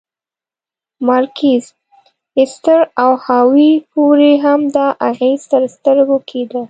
مارکیز، ایستر او هاوایي پورې هم دا اغېز تر سترګو کېده.